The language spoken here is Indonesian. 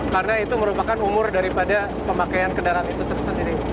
karena itu merupakan umur daripada pemakaian kendaraan itu tersendiri